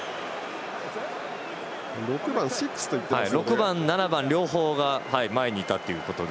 ６番と７番両方が前にいたということで。